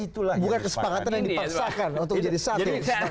bukan kesepakatan yang dipaksakan untuk jadi satu